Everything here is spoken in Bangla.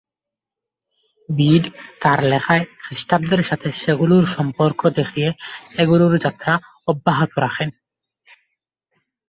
বিড তার লেখায় খ্রিস্টাব্দের সাথে সেগুলোর সম্পর্ক দেখিয়ে এগুলোর যাত্রা অব্যাহত রাখেন।